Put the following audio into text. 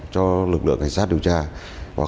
cho lực lượng cảnh sát điều tra